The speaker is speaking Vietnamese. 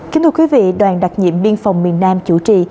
kính thưa quý vị đoàn đặc nhiệm biên phòng miền nam chủ trì